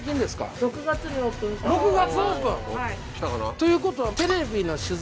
という事はテレビの取材